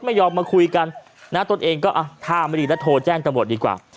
ไม่ยอมมาคุยกันนะตนเองก็ท่าไม่ดีแล้วโทรแจ้งตำรวจดีกว่า